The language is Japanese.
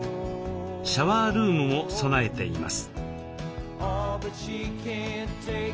シャワールームも備えています。